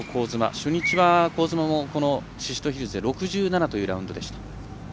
初日は、香妻も宍戸ヒルズで６７というラウンドでした。